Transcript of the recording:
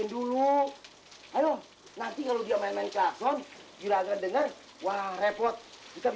nanti mobil kau udah datang lagi